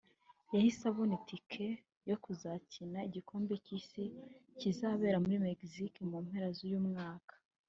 yahise abona itike yo kuzakina igikombe cy’isi kizabera muri Mexique mu mpera z’uyu mwaka